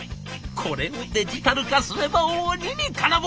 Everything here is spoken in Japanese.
これをデジタル化すれば鬼に金棒！